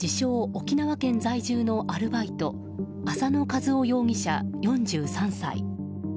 沖縄県在住のアルバイト浅野和男容疑者、４３歳。